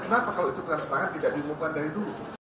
kenapa kalau itu transparan tidak diumumkan dari dulu